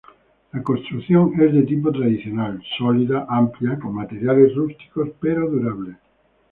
La construcción es de tipo tradicional: sólida, amplia, con materiales rústicos pero durables.